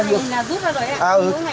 rút ra luôn nhưng mà thôi thì